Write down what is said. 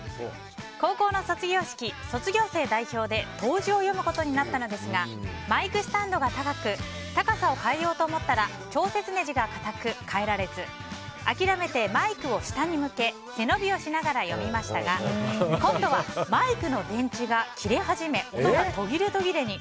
高校の卒業式、卒業生代表で答辞を読むことになったのですがマイクスタンドが高く高さを変えようと思ったら調節ねじが固く、変えられずあきらめてマイクを下に向け背伸びをしながら読みましたが今度はマイクの電池が切れ始め、音が途切れ途切れに。